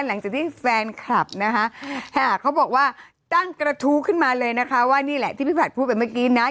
หลังจากที่แฟนคลับนะคะเขาบอกว่าตั้งกระทู้ขึ้นมาเลยนะคะว่านี่แหละที่พี่ผัดพูดไปเมื่อกี้นะ